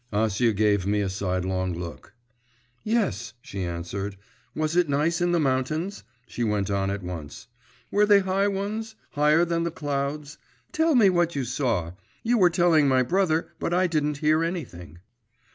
Acia gave me a sidelong look. 'Yes,' she answered. 'Was it nice in the mountains?' she went on at once. 'Were they high ones? Higher than the clouds? Tell me what you saw. You were telling my brother, but I didn't hear anything.